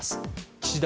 岸田